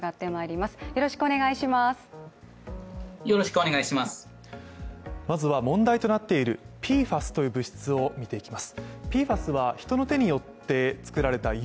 まずは問題となっているＰＦＡＳという物質を見ていきます。